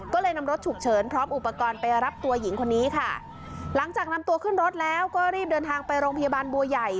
ก็เลยนำรถฉุกเฉินพร้อมอุปกรณ์ไปรับตัวหญิงคนนี้ค่ะหลังจากนำตัวขึ้นรถแล้วก็รีบเดินทางไปโรงพยาบาลบัวใหญ่